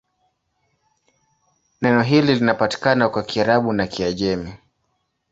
Neno hili linapatikana kwa Kiarabu na Kiajemi.